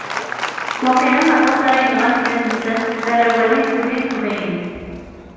Waqila aṭas ara yenɣen iman-nsen mi ara walin tuli teqbaylit.